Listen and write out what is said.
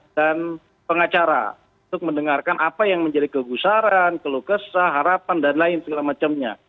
dan pengacara untuk mendengarkan apa yang menjadi kegusaran kelekesan harapan dan lain segala macamnya